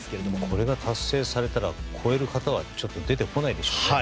これが達成されたら超える方は出てこないでしょうね。